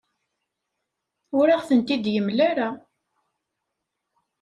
Ur aɣ-ten-id-yemla ara.